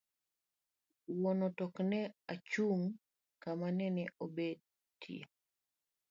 Wuon ot okne ochung' kama nene obetie